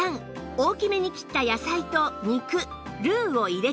大きめに切った野菜と肉ルーを入れたら